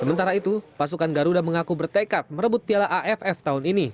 sementara itu pasukan garuda mengaku bertekad merebut piala aff tahun ini